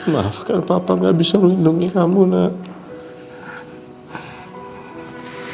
maafkan papa gak bisa melindungi kamu nak